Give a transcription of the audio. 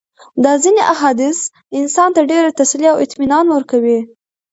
دا ځېني احاديث انسان ته ډېره تسلي او اطمنان ورکوي